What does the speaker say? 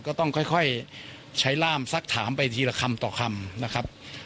ก็ต้องค่อยใช้ร่ามสักถามไปทีละคำต่อคำนะครับ